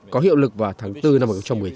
có hiệu lực vào tháng bốn năm hai nghìn một mươi tám